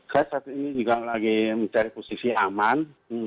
saya saat ini juga lagi mencari posisi aman